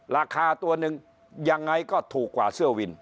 ราคาตัวหนึ่งยังไงก็ถูกกว่าเสื้อวิน